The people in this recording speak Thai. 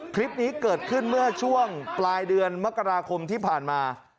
คลิปนี้เกิดขึ้นเมื่อช่วงปลายเดือนมกราคมที่ผ่านมา